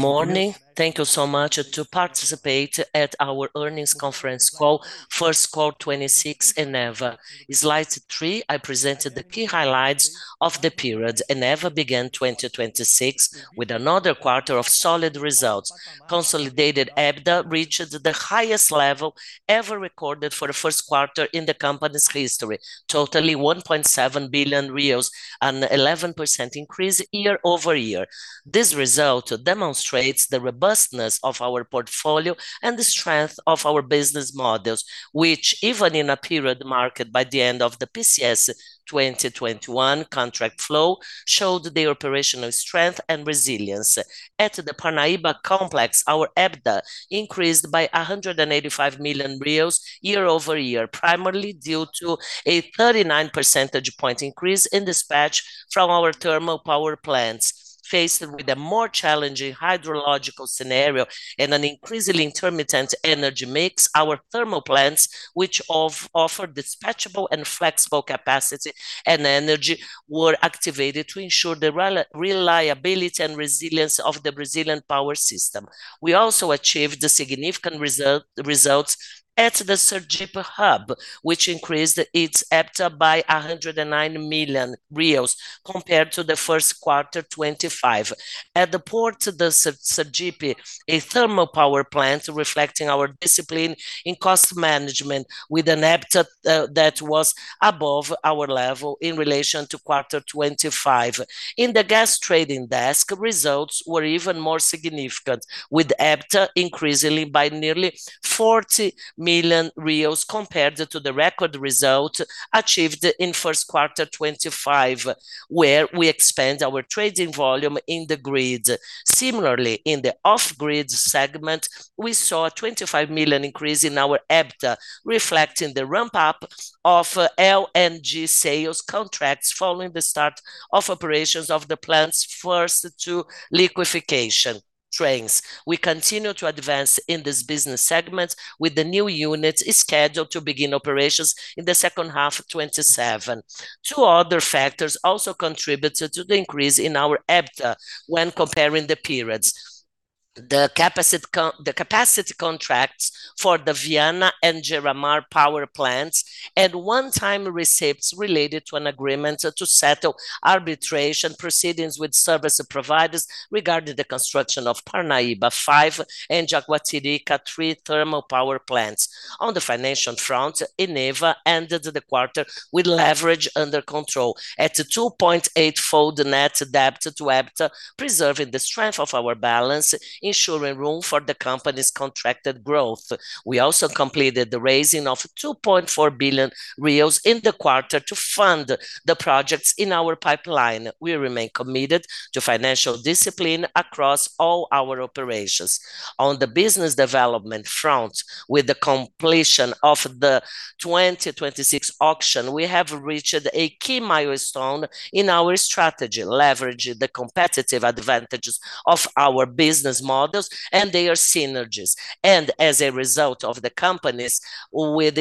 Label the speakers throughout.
Speaker 1: Morning. Thank you so much to participate at our earnings conference call, Q1 2026 Eneva. Slide 3, I presented the key highlights of the period. Eneva began 2026 with another quarter of solid results. Consolidated EBITDA reached the highest level ever recorded for Q1 in the company's history, totaling 1.7 billion, an 11% increase year-over-year. This result demonstrates the robustness of our portfolio and the strength of our business models, which even in a period marked by the end of the PCS 2021 contract flow, showed the operational strength and resilience. At the Parnaíba Complex, our EBITDA increased by 185 million year-over-year, primarily due to a 39 percentage point increase in dispatch from our thermal power plants. Faced with a more challenging hydrological scenario and an increasingly intermittent energy mix, our thermal plants, which offer dispatchable and flexible capacity and energy, were activated to ensure the reliability and resilience of the Brazilian power system. We also achieved the significant results at the Porto de Sergipe, which increased its EBITDA by 109 million reais compared to the Q1 2025. At the Porto de Sergipe, a thermal power plant reflecting our discipline in cost management with an EBITDA that was above our level in relation to quarter 2025. In the gas trading desk, results were even more significant with EBITDA increasingly by nearly 40 million reais compared to the record result achieved in Q1 2025, where we expand our trading volume in the grid. Similarly, in the off-grid segment, we saw a 25 million increase in our EBITDA, reflecting the ramp up of LNG sales contracts following the start of operations of the plant's first two liquefaction trains. We continue to advance in this business segment with the new units is scheduled to begin operations in the H2 of 2027. Two other factors also contributed to the increase in our EBITDA when comparing the periods. The capacity contracts for the Viana and Gera Maranhão power plants and one-time receipts related to an agreement to settle arbitration proceedings with service providers regarding the construction of Parnaíba V and Jaguatirica II thermal power plants. On the financial front, Eneva ended the quarter with leverage under control at a 2.8-fold net debt to EBITDA, preserving the strength of our balance, ensuring room for the company's contracted growth. We also completed the raising of 2.4 billion in the quarter to fund the projects in our pipeline. We remain committed to financial discipline across all our operations. On the business development front, with the completion of the 2026 auction, we have reached a key milestone in our strategy, leveraging the competitive advantages of our business models and their synergies. As a result of the company's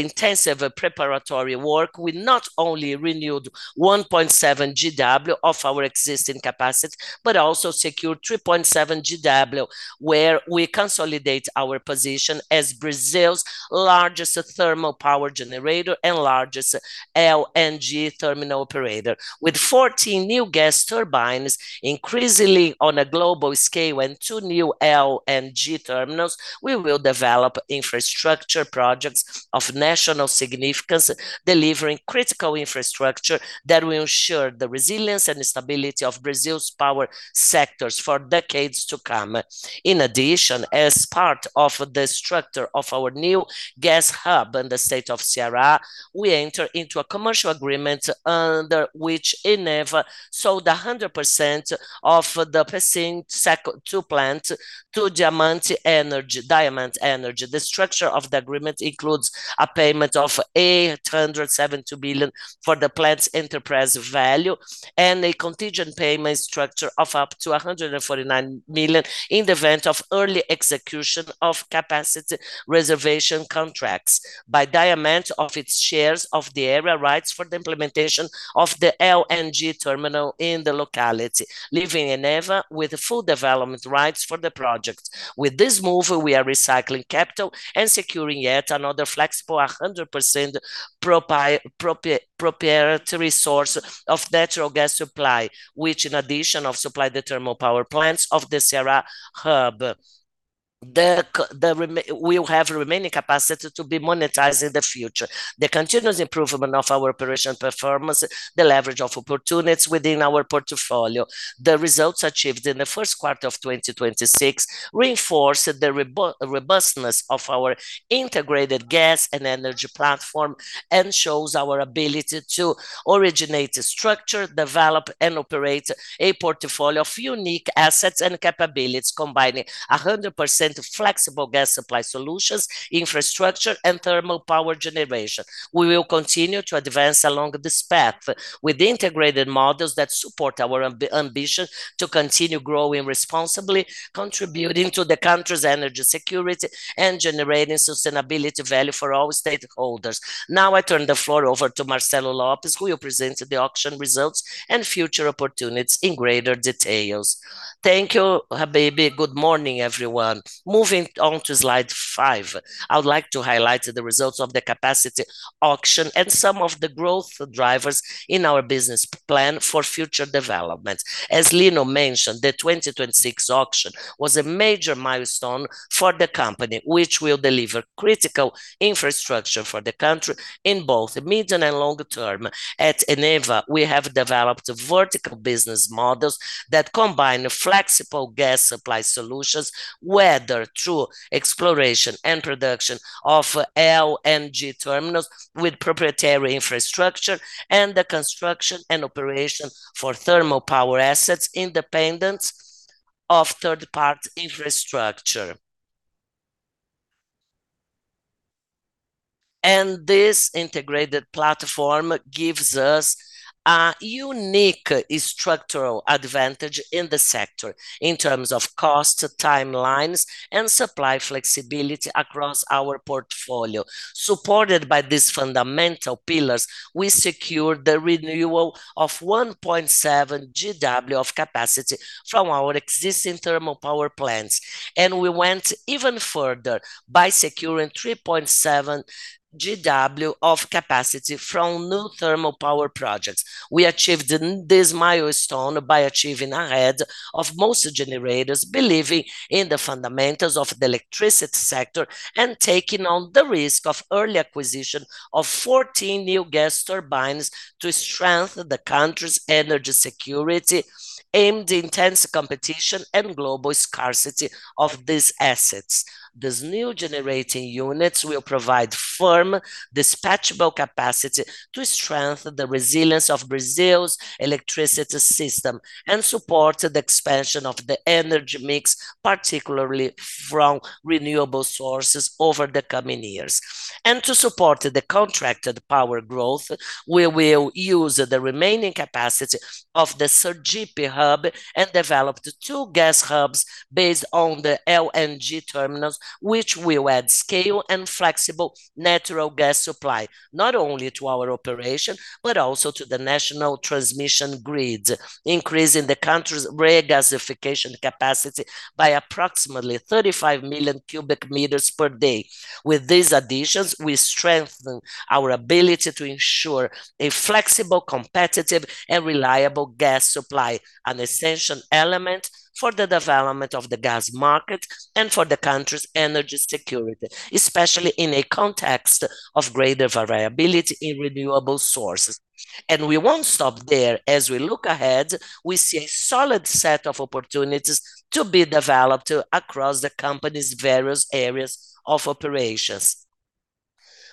Speaker 1: intensive preparatory work, we not only renewed 1.7 GW of our existing capacity, but also secured 3.7 GW, where we consolidate our position as Brazil's largest thermal power generator and largest LNG terminal operator. With 14 new gas turbines increasingly on a global scale and two new LNG terminals, we will develop infrastructure projects of national significance, delivering critical infrastructure that will ensure the resilience and stability of Brazil's power sectors for decades to come. As part of the structure of our new gas hub in the state of Ceará, we enter into a commercial agreement under which Eneva sold 100% of the Pecém II plant to Diamante Energia. The structure of the agreement includes a payment of 872 billion for the plant's enterprise value and a contingent payment structure of up to 149 million in the event of early execution of capacity reservation contracts by Diamante Energia of its shares of the area rights for the implementation of the LNG terminal in the locality, leaving Eneva with full development rights for the project. With this move, we are recycling capital and securing yet another flexible 100% proprietary source of natural gas supply, which in addition of supply the thermal power plants of the Ceará hub. We will have remaining capacity to be monetized in the future. The continuous improvement of our operational performance, the leverage of opportunities within our portfolio, the results achieved in the Q1 of 2026 reinforce the robustness of our integrated gas and energy platform and shows our ability to originate, structure, develop, and operate a portfolio of unique assets and capabilities, combining 100% flexible gas supply solutions, infrastructure, and thermal power generation. We will continue to advance along this path with integrated models that support our ambition to continue growing responsibly, contributing to the country's energy security and generating sustainability value for all stakeholders.
Speaker 2: Now I turn the floor over to Marcelo Lopes, who will present the auction results and future opportunities in greater details.
Speaker 3: Thank you, Habibe. Good morning, everyone. Moving on to slide 5, I would like to highlight the results of the capacity auction and some of the growth drivers in our business plan for future developments. As Lino mentioned, the 2026 auction was a major milestone for the company, which will deliver critical infrastructure for the country in both the medium and long term. At Eneva, we have developed vertical business models that combine flexible gas supply solutions, whether through exploration and production of LNG terminals with proprietary infrastructure and the construction and operation for thermal power assets, independence of third-party infrastructure. This integrated platform gives us a unique structural advantage in the sector in terms of cost, timelines, and supply flexibility across our portfolio. Supported by these fundamental pillars, we secured the renewal of 1.7 GW of capacity from our existing thermal power plants, and we went even further by securing 3.7 GW of capacity from new thermal power projects. We achieved this milestone by achieving ahead of most generators, believing in the fundamentals of the electricity sector and taking on the risk of early acquisition of 14 new gas turbines to strengthen the country's energy security amid intense competition and global scarcity of these assets. These new generating units will provide firm dispatchable capacity to strengthen the resilience of Brazil's electricity system and support the expansion of the energy mix, particularly from renewable sources over the coming years. To support the contracted power growth, we will use the remaining capacity of the Sergipe hub and develop the two gas hubs based on the LNG terminals, which will add scale and flexible natural gas supply, not only to our operation, but also to the national transmission grid, increasing the country's re-gasification capacity by approximately 35 million cu m per day. With these additions, we strengthen our ability to ensure a flexible, competitive, and reliable gas supply, an essential element for the development of the gas market and for the country's energy security, especially in a context of greater variability in renewable sources. We won't stop there. As we look ahead, we see a solid set of opportunities to be developed across the company's various areas of operations.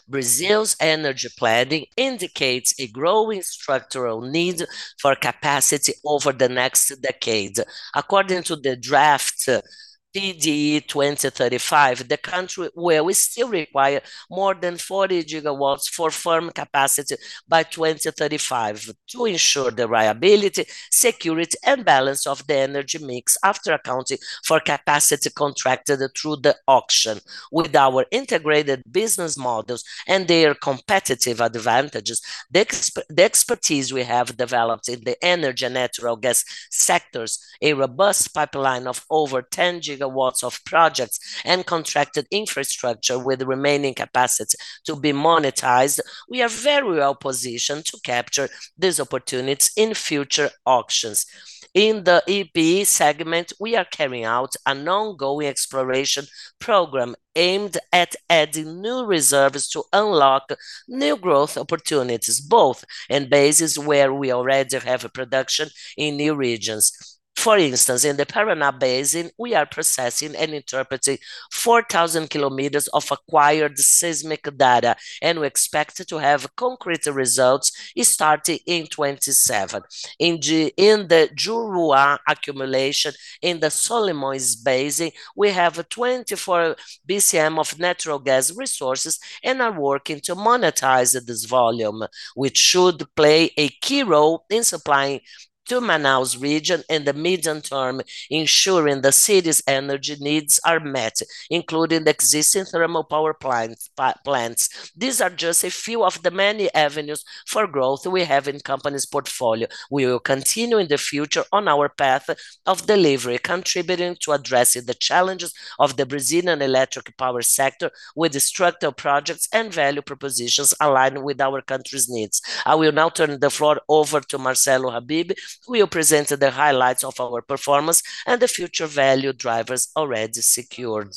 Speaker 3: Brazil's energy planning indicates a growing structural need for capacity over the next decade. According to the draft PDE 2035, the country will still require more than 40 GW for firm capacity by 2035 to ensure the reliability, security, and balance of the energy mix after accounting for capacity contracted through the auction. With our integrated business models and their competitive advantages, the expertise we have developed in the energy and natural gas sectors, a robust pipeline of over 10 GW of projects and contracted infrastructure with remaining capacity to be monetized, we are very well positioned to capture these opportunities in future auctions. In the E&P segment, we are carrying out an ongoing exploration program aimed at adding new reserves to unlock new growth opportunities, both in basins where we already have a production in new regions. For instance, in the Paraná Basin, we are processing and interpreting 4,000 km of acquired seismic data, and we expect to have concrete results starting in 2027. In the Juruá accumulation in the Solimões Basin, we have 24 BCM of natural gas resources and are working to monetize this volume, which should play a key role in supplying to Manaus region in the medium term, ensuring the city's energy needs are met, including the existing thermal power plants. These are just a few of the many avenues for growth we have in company's portfolio. We will continue in the future on our path of delivery, contributing to addressing the challenges of the Brazilian electric power sector with structural projects and value propositions aligned with our country's needs. I will now turn the floor over to Marcelo Habibe, who will present the highlights of our performance and the future value drivers already secured.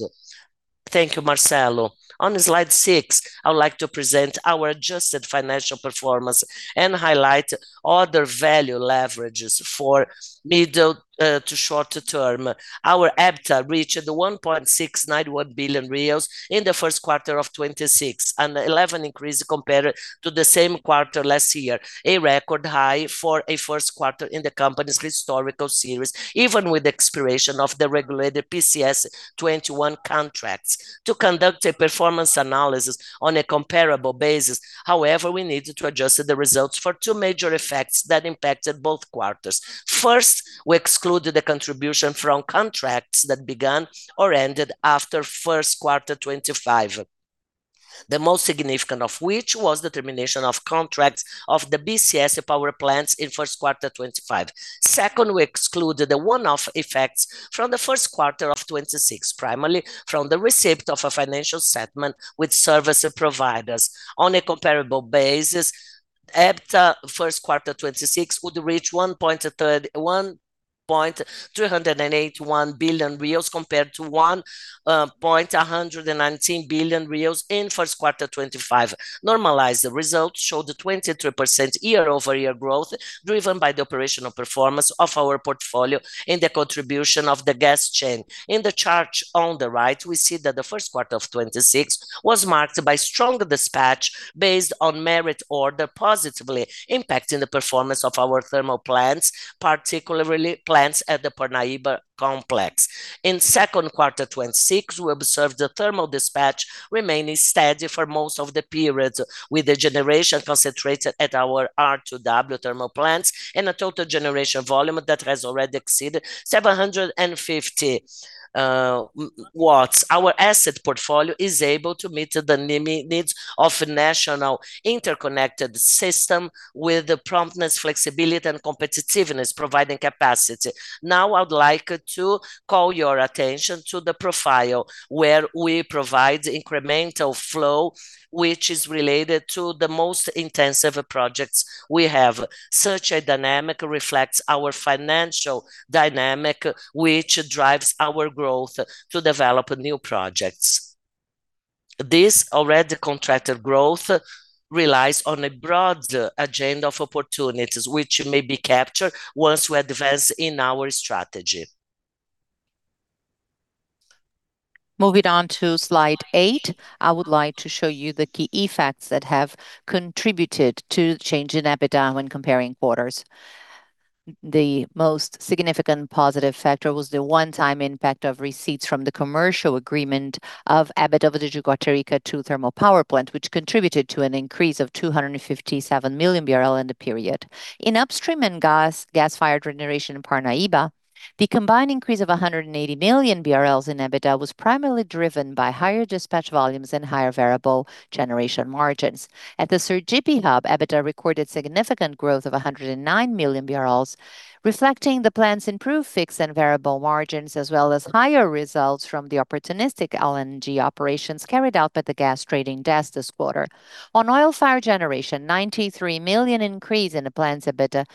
Speaker 2: Thank you, Marcelo. On slide 6, I would like to present our adjusted financial performance and highlight other value leverages for middle to short term. Our EBITDA reached 1.691 billion in the Q1 of 2026, an 11% increase compared to the same quarter last year, a record high for a Q1 in the company's historical series, even with the expiration of the regulated PCS 21 contracts. To conduct a performance analysis on a comparable basis, however, we needed to adjust the results for two major effects that impacted both quarters. First, we excluded the contribution from contracts that began or ended after Q1 2025, the most significant of which was the termination of contracts of the BCS power plants in Q1 2025. Second, we excluded the one-off effects from the Q1 of 2026, primarily from the receipt of a financial settlement with service providers. On a comparable basis, EBITDA Q1 2026 would reach 1.381 billion reais compared to 1.119 billion reais in Q1 2025. Normalized results show the 23% year-over-year growth driven by the operational performance of our portfolio and the contribution of the gas chain. In the chart on the right, we see that the Q1 of 2026 was marked by strong dispatch based on merit order positively impacting the performance of our thermal plants, particularly plants at the Parnaíba Complex. In Q2 2026, we observed the thermal dispatch remaining steady for most of the periods with the generation concentrated at our R2W thermal plants and a total generation volume that has already exceeded 750 watts. Our asset portfolio is able to meet the needs of national interconnected system with the promptness, flexibility, and competitiveness providing capacity. Now I would like to call your attention to the profile where we provide incremental flow, which is related to the most intensive projects we have. Such a dynamic reflects our financial dynamic, which drives our growth to develop new projects. This already contracted growth relies on a broad agenda of opportunities which may be captured once we advance in our strategy. Moving on to slide 8, I would like to show you the key effects that have contributed to change in EBITDA when comparing quarters. The most significant positive factor was the one-time impact of receipts from the commercial agreement of EBITDA do Jaguatirica II thermal power plant, which contributed to an increase of 257 million BRL in the period. In upstream and gas-fired generation in Parnaíba, the combined increase of 180 million BRL in EBITDA was primarily driven by higher dispatch volumes and higher variable generation margins. At the Sergipe Hub, EBITDA recorded significant growth of 109 million BRL, reflecting the plant's improved fixed and variable margins as well as higher results from the opportunistic LNG operations carried out by the gas trading desk this quarter. Oil-fired generation, 93 million increase in the plant's EBITDA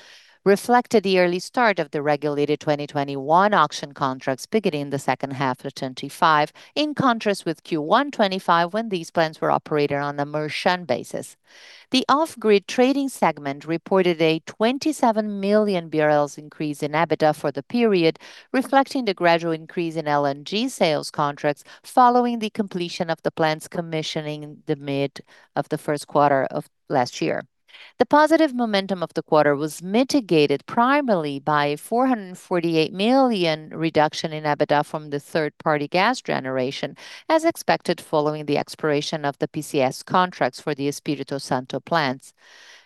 Speaker 2: reflected the early start of the regulated 2021 auction contracts beginning the H2 of 2025, in contrast with Q1 2025 when these plants were operated on a merchant basis. The off-grid trading segment reported a 27 million increase in EBITDA for the period, reflecting the gradual increase in LNG sales contracts following the completion of the plant's commissioning in the mid of the Q1 of last year. The positive momentum of the quarter was mitigated primarily by 448 million reduction in EBITDA from the third-party gas generation, as expected following the expiration of the PCS contracts for the Espírito Santo plants.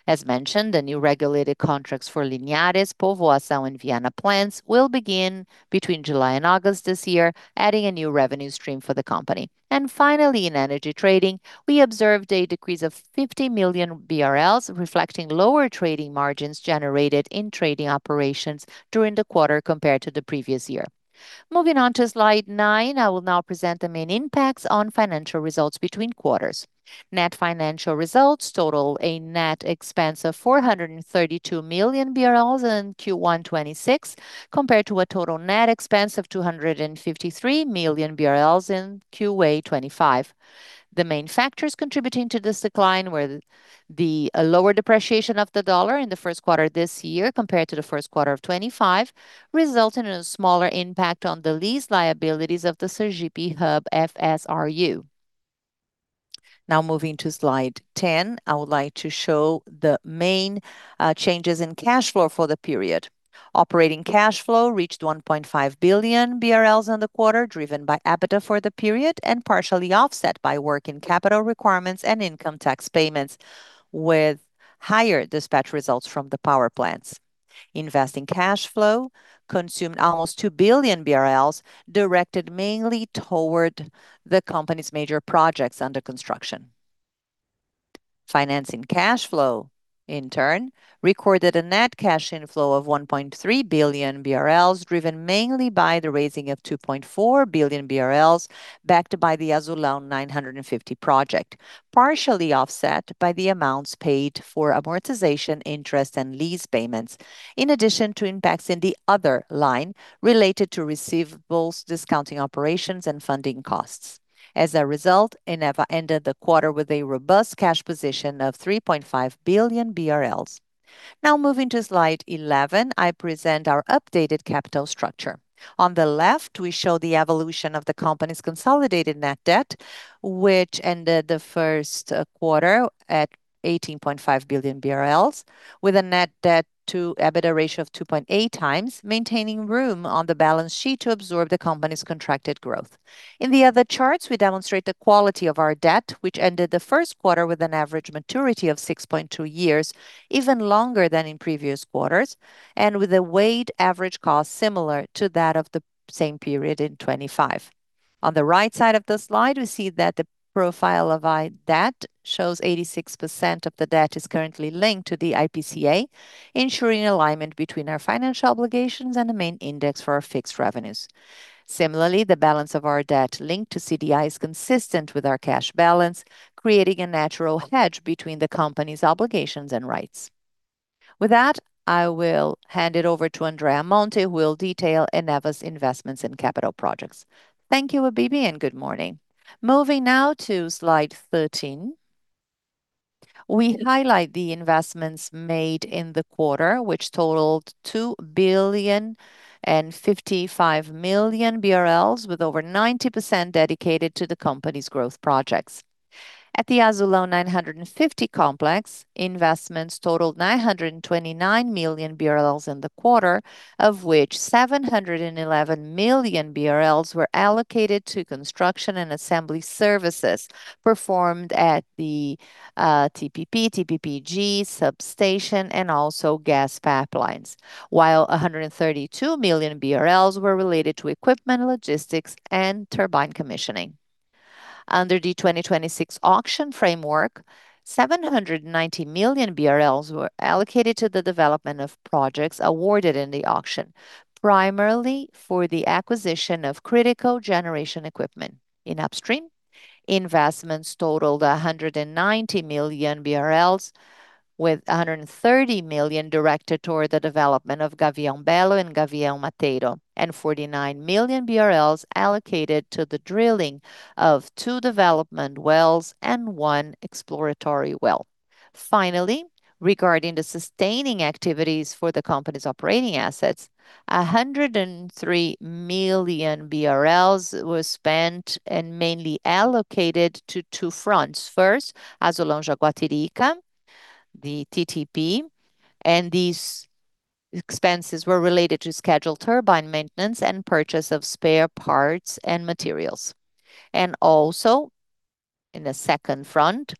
Speaker 2: As mentioned, the new regulated contracts for Linhares, Poço Fundo, and Viana plants will begin between July and August this year, adding a new revenue stream for the company. Finally, in energy trading, we observed a decrease of 50 million BRL, reflecting lower trading margins generated in trading operations during the quarter compared to the previous year. Moving on to slide 9, I will now present the main impacts on financial results between quarters. Net financial results total a net expense of 432 million BRL in Q1 2026 compared to a total net expense of 253 million BRL in Q1 2025. The main factors contributing to this decline were the lower depreciation of the dollar in the Q1 this year compared to the Q1 of 2025, resulting in a smaller impact on the lease liabilities of the Sergipe Hub FSRU. Moving to slide 10, I would like to show the main changes in cash flow for the period. Operating cash flow reached 1.5 billion BRL in the quarter, driven by EBITDA for the period and partially offset by working capital requirements and income tax payments with higher dispatch results from the power plants. Investing cash flow consumed almost 2 billion BRL, directed mainly toward the company's major projects under construction. Financing cash flow, in turn, recorded a net cash inflow of 1.3 billion BRL, driven mainly by the raising of 2.4 billion BRL, backed by the Azulão 950 project, partially offset by the amounts paid for amortization, interest and lease payments, in addition to impacts in the other line related to receivables discounting operations and funding costs. As a result, Eneva ended the quarter with a robust cash position of 3.5 billion BRL. Now moving to slide 11, I present our updated capital structure. On the left, we show the evolution of the company's consolidated net debt, which ended the Q1 at 18.5 billion BRL with a net debt to EBITDA ratio of 2.8x, maintaining room on the balance sheet to absorb the company's contracted growth. In the other charts, we demonstrate the quality of our debt, which ended the Q1 with an average maturity of 6.2 years, even longer than in previous quarters, and with a weighted average cost similar to that of the same period in 2025. On the right side of the slide, we see that the profile of our debt shows 86% of the debt is currently linked to the IPCA, ensuring alignment between our financial obligations and the main index for our fixed revenues. Similarly, the balance of our debt linked to CDI is consistent with our cash balance, creating a natural hedge between the company's obligations and rights. With that, I will hand it over to Andrea Monte, who will detail Eneva's investments in capital projects.
Speaker 4: Thank you, Habibe and good morning. Moving now to slide 13. We highlight the investments made in the quarter, which totaled 2.055 billion, with over 90% dedicated to the company's growth projects. At the Azulão 950 complex, investments totaled 929 million BRL in the quarter, of which 711 million BRL were allocated to construction and assembly services performed at the TPP, TPPG substation, and also gas pipelines. While 132 million BRL were related to equipment, logistics, and turbine commissioning. Under the 2026 auction framework, 790 million BRL were allocated to the development of projects awarded in the auction, primarily for the acquisition of critical generation equipment. In upstream, investments totaled 190 million BRL, with 130 million directed toward the development of Gavião Belo and Gavião Mateiro, and 49 million BRL allocated to the drilling of two development wells and one exploratory well. Finally, regarding the sustaining activities for the company's operating assets, 103 million BRL was spent and mainly allocated to two fronts. First, Azulão-Jaguatirica, the TPP, these expenses were related to scheduled turbine maintenance and purchase of spare parts and materials. In the second front,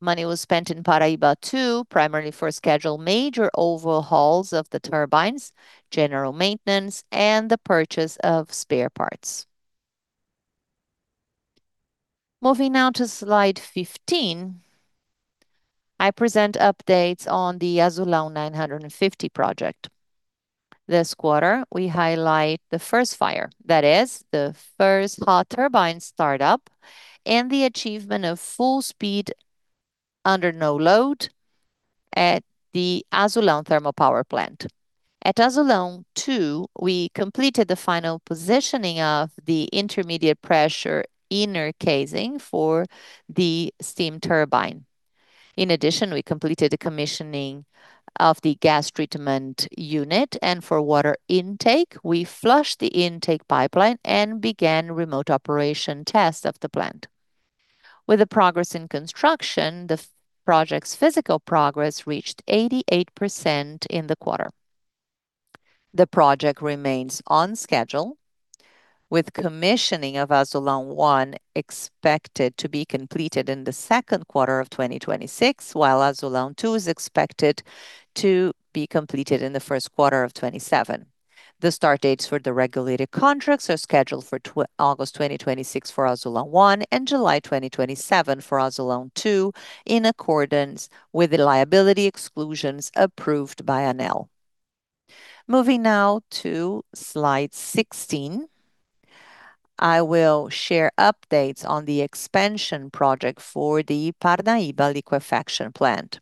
Speaker 4: money was also spent in Parnaíba, too, primarily for scheduled major overhauls of the turbines, general maintenance, and the purchase of spare parts. Moving now to slide 15, I present updates on the Azulão 950 project. This quarter, we highlight the first fire. That is the first hot turbine startup and the achievement of full speed under no load at the Azulão Thermal Power Plant. At Azulão II, we completed the final positioning of the intermediate pressure inner casing for the steam turbine. In addition, we completed the commissioning of the gas treatment unit. For water intake, we flushed the intake pipeline and began remote operation tests of the plant. With the progress in construction, the project's physical progress reached 88% in the quarter. The project remains on schedule, with commissioning of Azulão I expected to be completed in the Q2 of 2026, while Azulão II is expected to be completed in the Q1 of 2027. The start dates for the regulated contracts are scheduled for August 2026 for Azulão I and July 2027 for Azulão II, in accordance with the liability exclusions approved by ANEEL. Moving now to slide 16, I will share updates on the expansion project for the Parnaíba gas liquefaction plant.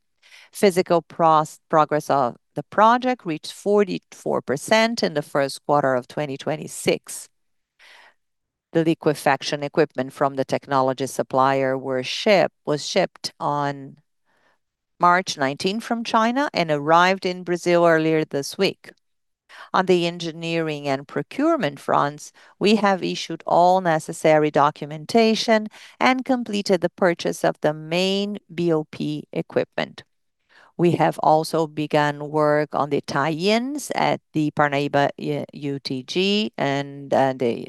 Speaker 4: Physical progress of the project reached 44% in the Q1 of 2026. The liquefaction equipment from the technology supplier was shipped on March 19 from China and arrived in Brazil earlier this week. On the engineering and procurement fronts, we have issued all necessary documentation and completed the purchase of the main BOP equipment. We have also begun work on the tie-ins at the Parnaíba UTG and the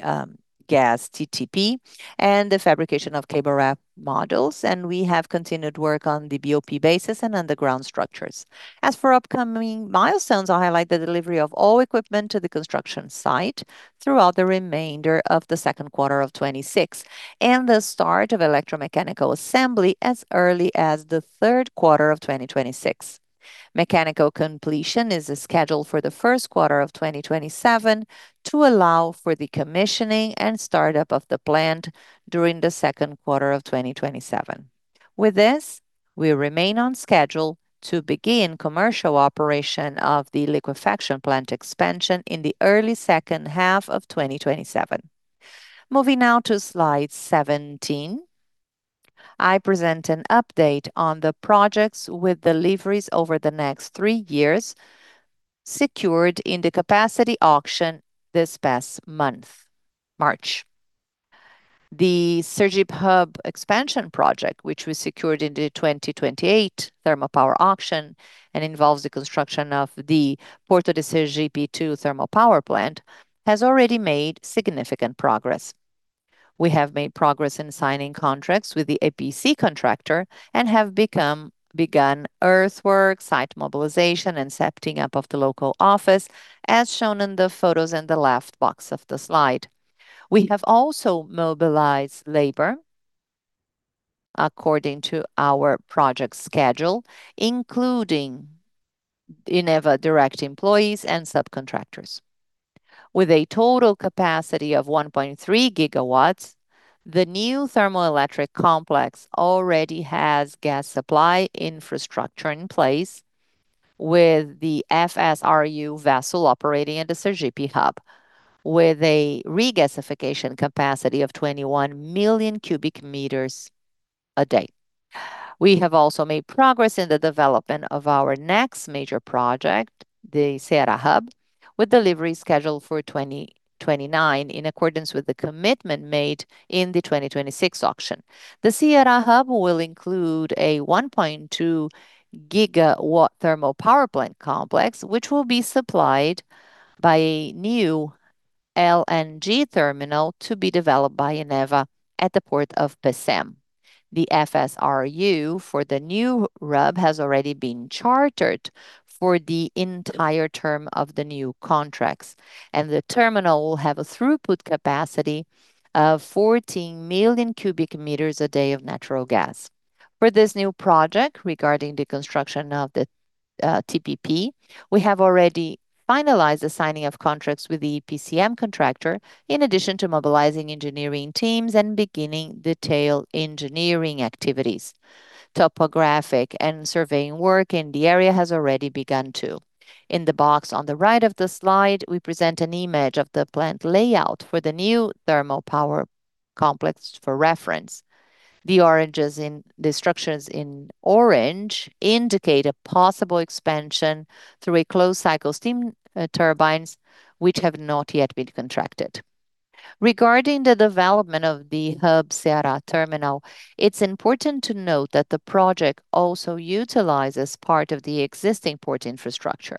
Speaker 4: gas TPP and the fabrication of cable wrap modules, and we have continued work on the BOP bases and underground structures. As for upcoming milestones, I highlight the delivery of all equipment to the construction site throughout the remainder of the Q2 of 2026 and the start of electromechanical assembly as early as the Q3 of 2026. Mechanical completion is scheduled for the Q1 of 2027 to allow for the commissioning and startup of the plant during the Q2 of 2027. With this, we remain on schedule to begin commercial operation of the liquefaction plant expansion in the early H2 of 2027. Moving now to slide 17, I present an update on the projects with deliveries over the next three years secured in the capacity auction this past month, March. The Sergipe Hub expansion project, which was secured in the 2028 thermopower auction and involves the construction of the Porto de Sergipe II Thermopower Plant, has already made significant progress. We have made progress in signing contracts with the EPC contractor and begun earthwork, site mobilization, and setting up of the local office, as shown in the photos in the left box of the slide. We have also mobilized labor according to our project schedule, including Eneva direct employees and subcontractors. With a total capacity of 1.3 GW, the new thermoelectric complex already has gas supply infrastructure in place with the FSRU vessel operating at the Porto de Sergipe, with a regasification capacity of 21 million cu m a day. We have also made progress in the development of our next major project, the Ceará Hub, with delivery scheduled for 2029, in accordance with the commitment made in the 2026 auction. The Ceará Hub will include a 1.2 GW thermal power plant complex, which will be supplied by a new LNG terminal to be developed by Eneva at the Port of Pecém. The FSRU for the new hub has already been chartered for the entire term of the new contracts, and the terminal will have a throughput capacity of 14 million cu m a day of natural gas. For this new project regarding the construction of the TPP, we have already finalized the signing of contracts with the EPC contractor, in addition to mobilizing engineering teams and beginning detailed engineering activities. Topographic and surveying work in the area has already begun too. In the box on the right of the slide, we present an image of the plant layout for the new thermal power complex for reference. The structures in orange indicate a possible expansion through a closed cycle steam turbines which have not yet been contracted. Regarding the development of the Hub Ceará terminal, it's important to note that the project also utilizes part of the existing port infrastructure,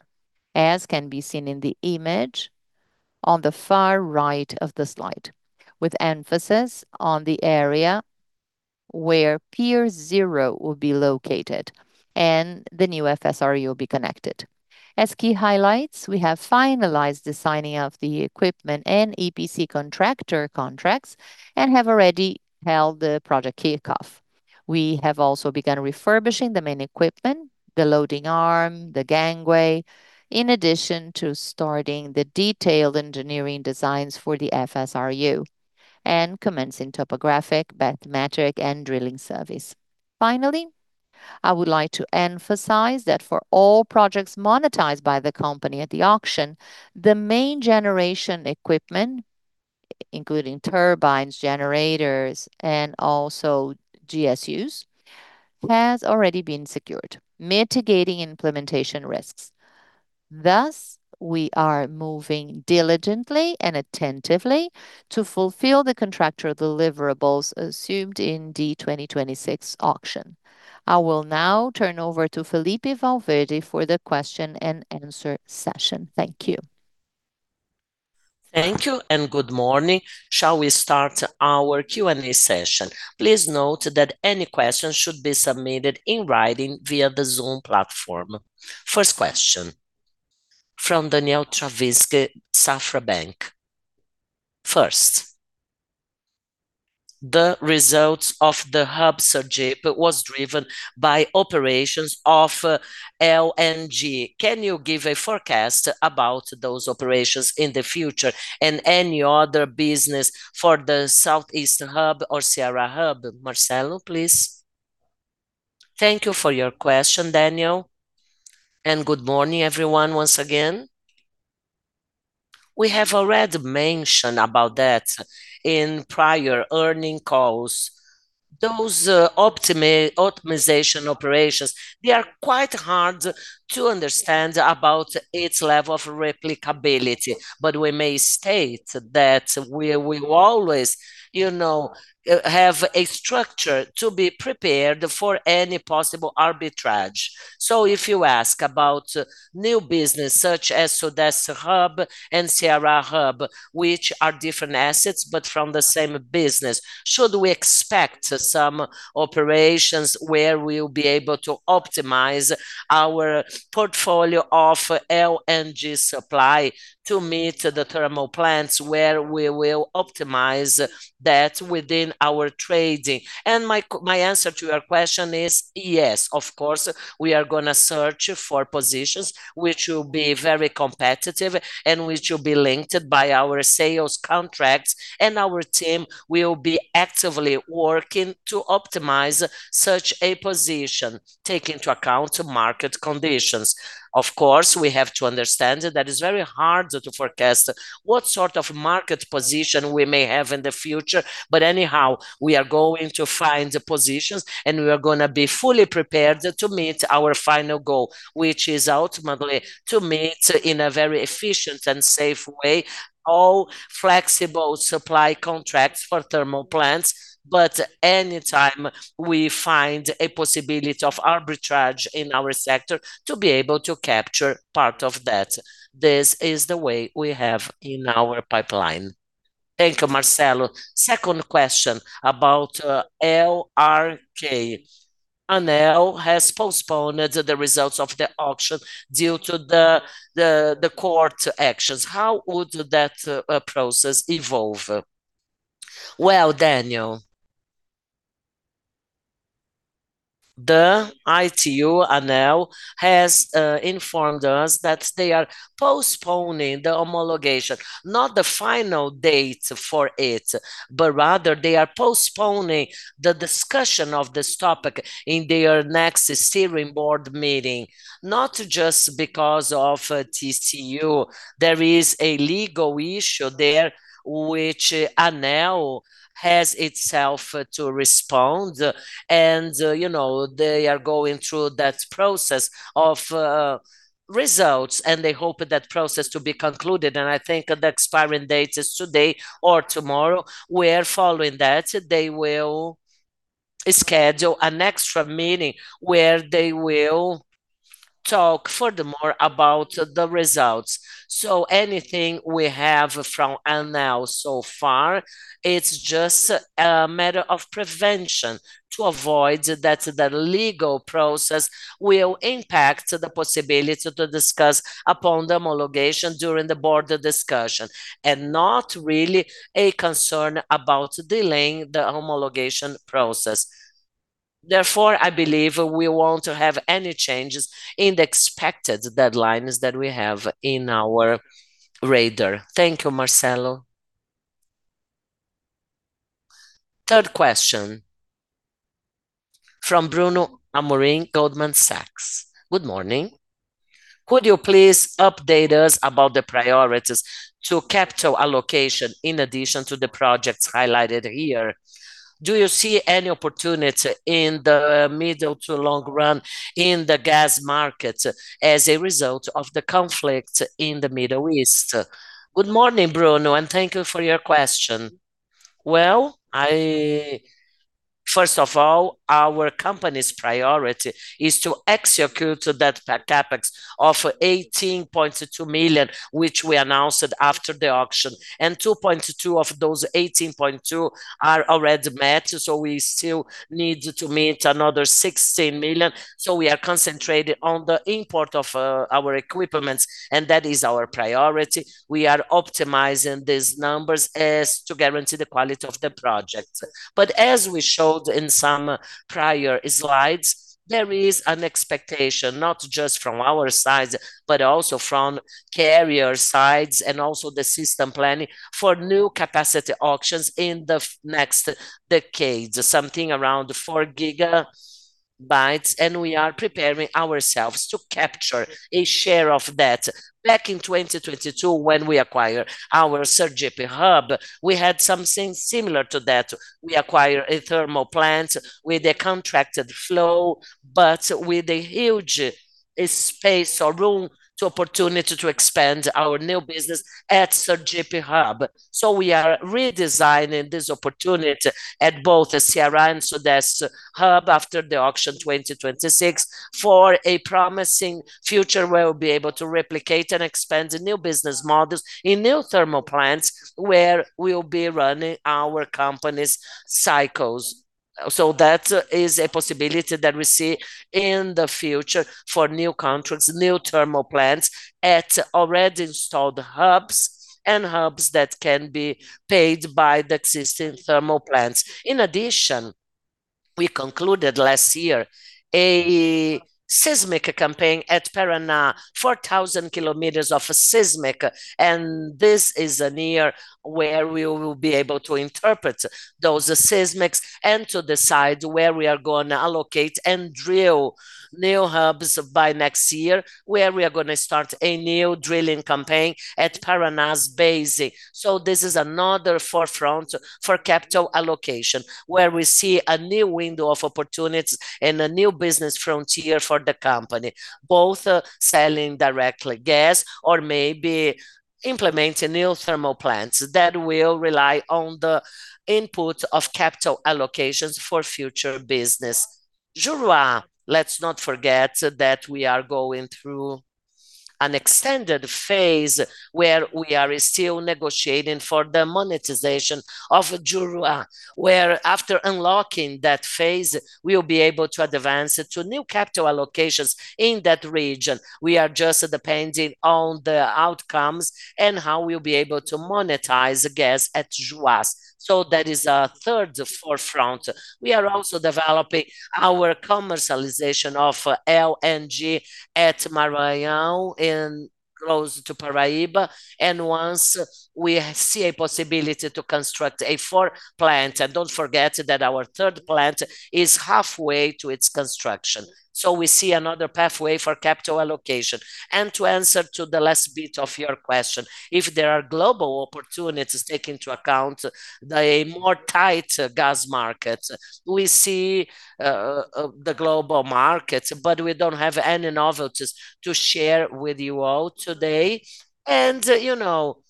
Speaker 4: as can be seen in the image on the far right of the slide, with emphasis on the area where Pier Zero will be located and the new FSRU will be connected. As key highlights, we have finalized the signing of the equipment and EPC contractor contracts, and have already held the project kickoff. We have also begun refurbishing the main equipment, the loading arm, the gangway, in addition to starting the detailed engineering designs for the FSRU, and commencing topographic, bathymetric, and drilling surveys. Finally, I would like to emphasize that for all projects monetized by the company at the auction, the main generation equipment, including turbines, generators, and also GSUs, has already been secured, mitigating implementation risks. Thus, we are moving diligently and attentively to fulfill the contractor deliverables assumed in the 2026 auction. I will now turn over to Felippe Valverde for the question and answer session. Thank you.
Speaker 5: Thank you, and good morning. Shall we start our Q&A session? Please note that any questions should be submitted in writing via the Zoom platform. First question from Daniel Travitzky, Safra Bank. First, the results of the Porto de Sergipe was driven by operations of LNG. Can you give a forecast about those operations in the future, and any other business for the Sudeste Hub or Ceará Hub? Marcelo, please.
Speaker 3: Thank you for your question, Daniel. Good morning, everyone, once again. We have already mentioned about that in prior earning calls. Those optimization operations, they are quite hard to understand about its level of replicability, but we will always, you know, have a structure to be prepared for any possible arbitrage. If you ask about new business such as Sudeste Hub and Ceará Hub, which are different assets but from the same business, should we expect some operations where we will be able to optimize our portfolio of LNG supply to meet the thermal plants where we will optimize that within our trading. My answer to your question is yes, of course, we are gonna search for positions which will be very competitive and which will be linked by our sales contracts, and our team will be actively working to optimize such a position, take into account market conditions. Of course, we have to understand that it's very hard to forecast what sort of market position we may have in the future. Anyhow, we are going to find the positions, and we are gonna be fully prepared to meet our final goal, which is ultimately to meet in a very efficient and safe way all flexible supply contracts for thermal plants. Any time we find a possibility of arbitrage in our sector, to be able to capture part of that. This is the way we have in our pipeline.
Speaker 5: Thank you, Marcelo. Second question about LRCAP. ANEEL has postponed the results of the auction due to the court actions. How would that process evolve?
Speaker 3: Well, Daniel Travitzky, the ITU, ANEEL has informed us that they are postponing the homologation, not the final date for it, but rather they are postponing the discussion of this topic in their next steering board meeting, not just because of TCU. There is a legal issue there which ANEEL has itself to respond. You know, they are going through that process of results, and they hope that process to be concluded, and I think the expiring date is today or tomorrow, where following that they will schedule an extra meeting where they will talk furthermore about the results. Anything we have from ANEEL so far, it's just a matter of prevention to avoid that the legal process will impact the possibility to discuss upon the homologation during the board discussion, and not really a concern about delaying the homologation process. Therefore, I believe we won't have any changes in the expected deadlines that we have in our radar.
Speaker 5: Thank you, Marcelo. Third question, from Bruno Amorim, Goldman Sachs. Good morning. Could you please update us about the priorities to capital allocation in addition to the projects highlighted here? Do you see any opportunity in the middle to long run in the gas market as a result of the conflict in the Middle East?
Speaker 3: Good morning, Bruno. Thank you for your question. Well, First of all, our company's priority is to execute that CapEx of 18.2 million, which we announced it after the auction. 2.2 million of those 18.2 million are already met. We still need to meet another 16 million. We are concentrated on the import of our equipments, and that is our priority. We are optimizing these numbers as to guarantee the quality of the project. As we showed in some prior slides, there is an expectation, not just from our sides, but also from carrier sides, and also the system planning, for new capacity auctions in the next decade. Something around 4 GW, and we are preparing ourselves to capture a share of that. Back in 2022 when we acquired our Sergipe Hub, we had something similar to that. We acquired a thermal plant with a contracted flow, but with a huge space or room to opportunity to expand our new business at Sergipe Hub. We are redesigning this opportunity at both the Ceará and Sudeste Hub after the auction 2026 for a promising future where we'll be able to replicate and expand the new business models in new thermal plants where we'll be running our company's cycles. That is a possibility that we see in the future for new contracts, new thermal plants at already installed hubs, and hubs that can be paid by the existing thermal plants. In addition, we concluded last year a seismic campaign at Paraná, 4,000 km of seismic, and this is a near where we will be able to interpret those seismics and to decide where we are gonna allocate and drill new hubs by next year, where we are gonna start a new drilling campaign at Paraná Basin. This is another forefront for capital allocation, where we see a new window of opportunities and a new business frontier for the company, both selling directly gas or maybe implementing new thermal plants that will rely on the input of capital allocations for future business. Juruá, let's not forget that we are going through an extended phase where we are still negotiating for the monetization of Juruá, where after unlocking that phase, we will be able to advance it to new capital allocations in that region. We are just depending on the outcomes and how we'll be able to monetize gas at Juruá. That is a third forefront. We are also developing our commercialization of LNG at Maranhão in close to Parnaíba. Once we see a possibility to construct a fourth plant, and don't forget that our third plant is halfway to its construction. We see another pathway for capital allocation. To answer to the last bit of your question, if there are global opportunities, take into account a more tight gas market. We see the global market. We don't have any novelties to share with you all today. You know,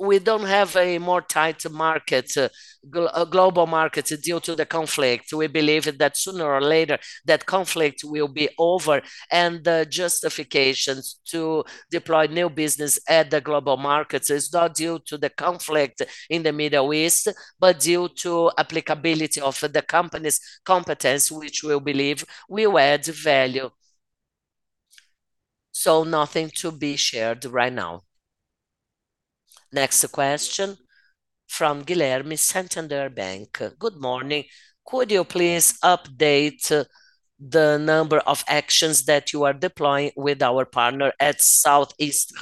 Speaker 3: we don't have a more tight market, global market due to the conflict. We believe that sooner or later, that conflict will be over, and the justifications to deploy new business at the global markets is not due to the conflict in the Middle East, but due to applicability of the company's competence, which we believe will add value. Nothing to be shared right now.
Speaker 5: Next question from Guilherme, Santander Bank. Good morning. Could you please update the number of actions that you are deploying with our partner at Sudeste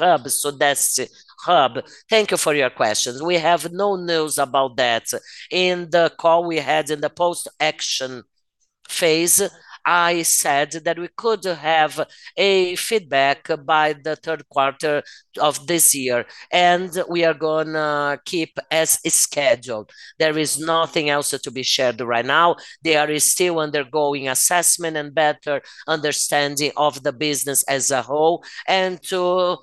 Speaker 5: Hub?
Speaker 3: Thank you for your question. We have no news about that. In the call we had in the post-action phase, I said that we could have a feedback by the Q3 of this year. We are going to keep as scheduled. There is nothing else to be shared right now. They are still undergoing assessment and better understanding of the business as a whole, and to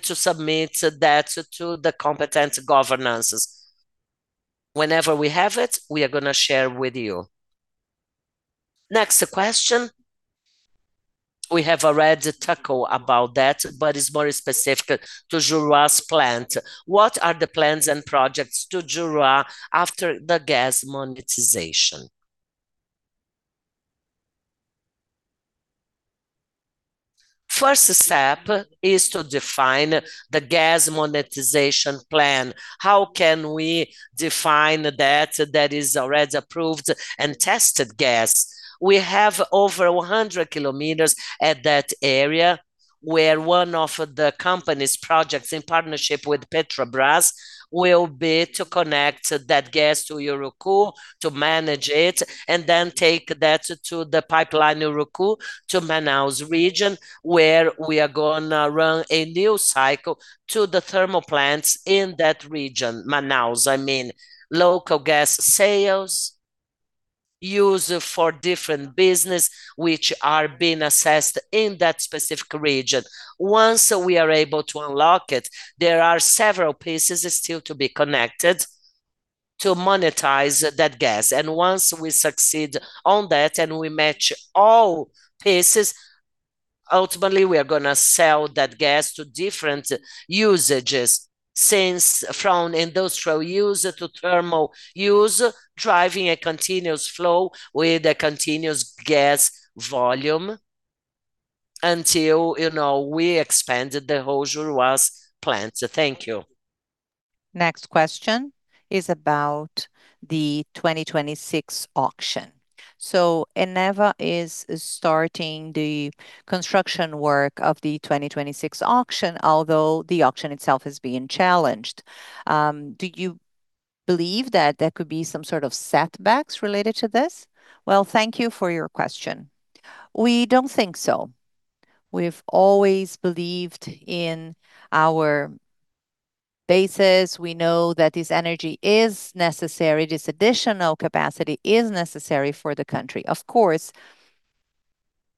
Speaker 3: submit that to the competent governances. Whenever we have it, we are going to share with you.
Speaker 5: Next question. We have already tackled about that. It is more specific to Juruá's plant. What are the plans and projects to Juruá after the gas monetization?
Speaker 3: First step is to define the gas monetization plan. How can we define that is already approved and tested gas? We have over 100 km at that area where one of the company's projects in partnership with Petrobras will be to connect that gas to Urucu to manage it, and then take that to the pipeline Urucu to Manaus region where we are gonna run a new cycle to the thermal plants in that region, Manaus, I mean. Local gas sales, use for different business which are being assessed in that specific region. Once we are able to unlock it, there are several pieces still to be connected to monetize that gas. Once we succeed on that, and we match all pieces, ultimately we are gonna sell that gas to different usages since from industrial use to thermal use, driving a continuous flow with a continuous gas volume until, you know, we expanded the whole Juruá's plant. Thank you.
Speaker 5: Next question is about the 2026 auction. Eneva is starting the construction work of the 2026 auction, although the auction itself is being challenged. Do you believe that there could be some sort of setbacks related to this?
Speaker 3: Well, thank you for your question. We don't think so. We've always believed in our basis. We know that this energy is necessary, this additional capacity is necessary for the country. Of course,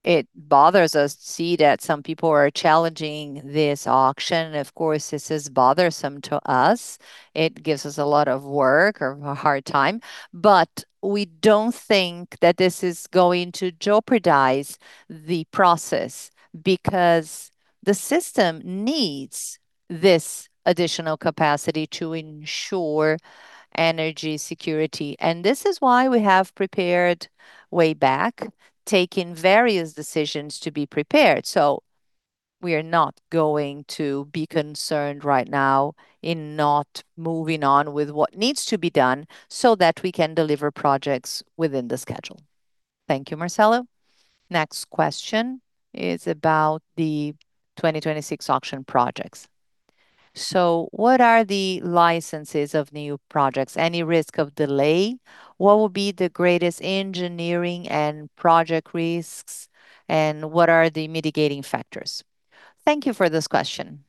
Speaker 3: it bothers us to see that some people are challenging this auction. Of course, this is bothersome to us. It gives us a lot of work or a hard time. We don't think that this is going to jeopardize the process because the system needs this additional capacity to ensure energy security. This is why we have prepared way back, taking various decisions to be prepared. We are not going to be concerned right now in not moving on with what needs to be done so that we can deliver projects within the schedule.
Speaker 5: Thank you, Marcelo. Next question is about the 2026 auction projects. What are the licenses of new projects? Any risk of delay? What will be the greatest engineering and project risks, and what are the mitigating factors?
Speaker 4: Thank you for this question.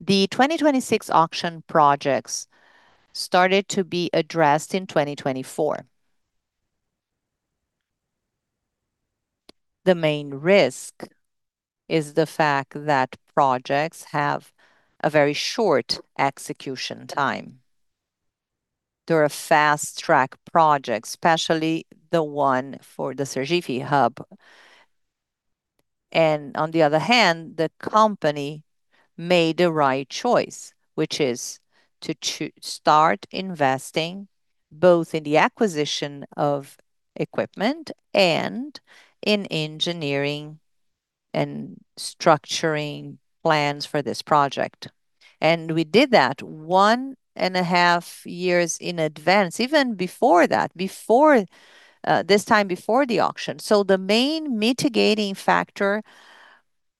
Speaker 4: The 2026 auction projects started to be addressed in 2024. The main risk is the fact that projects have a very short execution time. They're a fast-track project, especially the one for the Sergipe Hub. On the other hand, the company made the right choice, which is to start investing, both in the acquisition of equipment and in engineering and structuring plans for this project. We did that one and a half years in advance, even before that, before this time before the auction. The main mitigating factor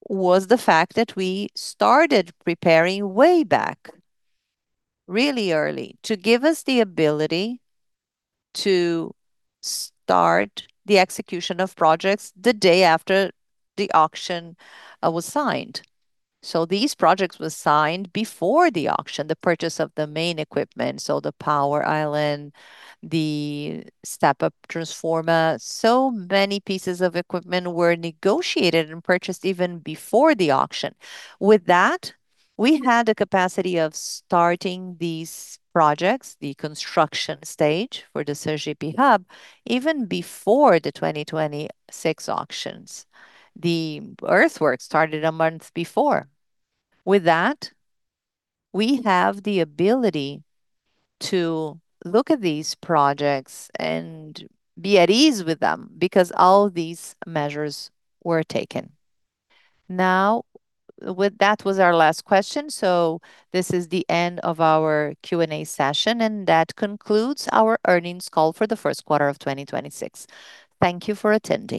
Speaker 4: was the fact that we started preparing way back, really early, to give us the ability to start the execution of projects the day after the auction was signed. These projects were signed before the auction, the purchase of the main equipment, so the power island, the step-up transformer. Many pieces of equipment were negotiated and purchased even before the auction. With that, we had the capacity of starting these projects, the construction stage for the Sergipe Hub, even before the 2026 auctions. The earthwork started a month before. With that, we have the ability to look at these projects and be at ease with them because all these measures were taken.
Speaker 5: Now, with that was our last question, this is the end of our Q&A session. That concludes our earnings call for the Q1 of 2026. Thank you for attending.